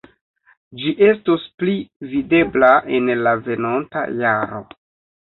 Ĝi estos pli videbla en la venonta jaro.